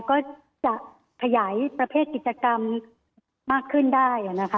ก็จะขยายประเภทกิจกรรมมากขึ้นได้นะคะ